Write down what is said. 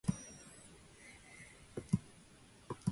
Testo pressed charges against her.